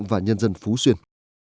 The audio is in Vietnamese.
và nhân dân phú xuyên